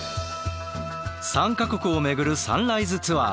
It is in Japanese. ３か国を巡るサンライズツアー。